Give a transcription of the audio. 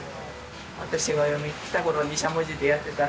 私が嫁に来た頃にしゃもじでやってたら。